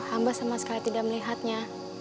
hamba sama sekali tidak melihatnya